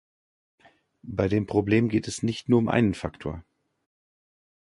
Bei dem Problem geht es nicht nur um einen Faktor.